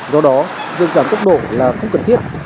do đó dương sản tốc độ là không cần thiết